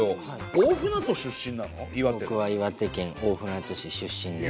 僕は岩手県大船渡市出身で。